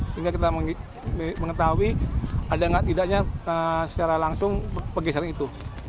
sehingga kita mengetahui ada tidaknya secara langsung pergeseran itu